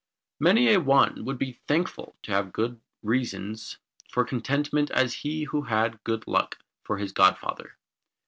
Many a one would be thankful to have as good reasons for contentment as he who had Good Luck for his godfather.